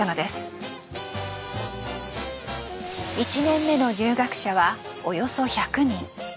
１年目の入学者はおよそ１００人。